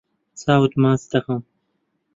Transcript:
چاوت ماچ دەکەم.